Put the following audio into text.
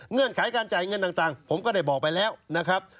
ไขการจ่ายเงินต่างผมก็ได้บอกไปแล้วนะครับ